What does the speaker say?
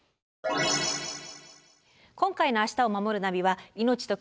今回の「明日をまもるナビ」は「命と暮らしを守る」